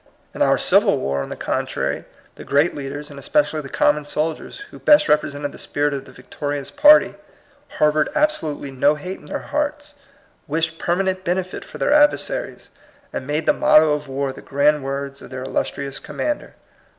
In our Civil War, on the contrary, the great leaders, and especially the common soldiers, who best represented the spirit of the victo rious party, harbored absolutely no hate in their hearts, wished permanent benefit for their adversaries, and made the motto of war the grand words of their illustri ous commander.